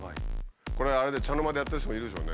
これあれね茶の間でやってる人もいるでしょうね。